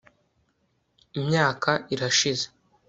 imyaka irashize